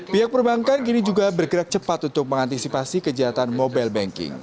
pihak perbankan kini juga bergerak cepat untuk mengantisipasi kejahatan mobile banking